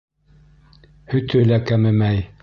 Һөтө лә кәмемәй.